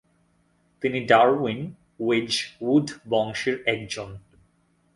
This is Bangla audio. তিনি ডারউইন-ওয়েজউড বংশের একজন।